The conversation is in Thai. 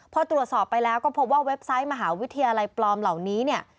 พอตรวจสอบไปแล้วก็พบว่าเว็บไซต์มหาวิทยาลัยปลอมเหล่านี้เนี่ย